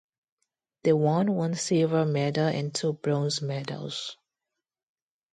They won one silver medal and two bronze medals.